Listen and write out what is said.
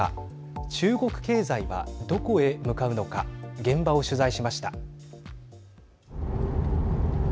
中国経済は、どこへ向かうのか現場を取材しました。